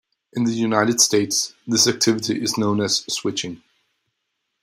In the United States this activity is known as "switching".